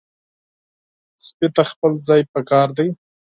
سپي ته خپل ځای پکار دی.